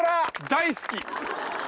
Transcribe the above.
大好き！